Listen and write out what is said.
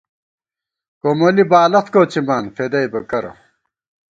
کومولی بالخت کوڅِما فېدَئیبہ کرہ